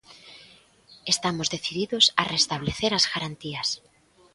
Estamos decididos a restabelecer as garantías.